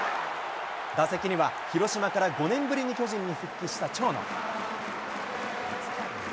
打席には広島から５年ぶりに巨人に復帰した長野。